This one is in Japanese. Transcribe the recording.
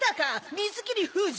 水切り封じ！